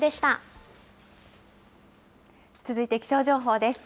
続いて気象情報です。